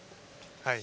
はい。